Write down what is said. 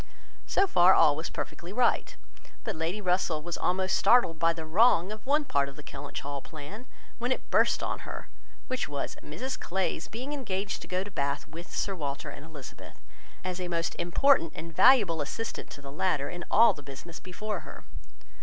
So far all was perfectly right; but Lady Russell was almost startled by the wrong of one part of the Kellynch Hall plan, when it burst on her, which was, Mrs Clay's being engaged to go to Bath with Sir Walter and Elizabeth, as a most important and valuable assistant to the latter in all the business before her.